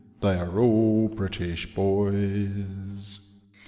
They are all British boys.